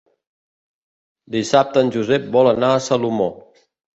Dissabte en Josep vol anar a Salomó.